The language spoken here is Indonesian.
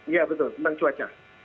iya betul tentang cuaca